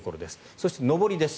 そして、上りです。